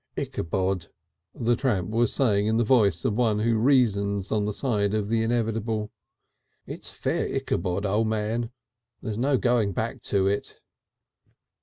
"Itchabod," the tramp was saying in the voice of one who reasons on the side of the inevitable. "It's Fair Itchabod, O' Man. There's no going back to it."